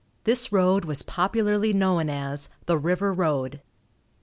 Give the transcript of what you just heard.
This road was popularly known as the "River Road."